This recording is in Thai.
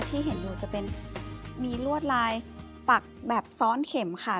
ที่เห็นอยู่จะเป็นมีลวดลายปักแบบซ้อนเข็มค่ะ